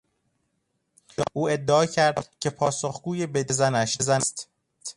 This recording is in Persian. او ادعا کرد که پاسخگوی بدهیهای زنش نیست.